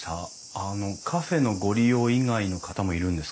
あのカフェのご利用以外の方もいるんですか？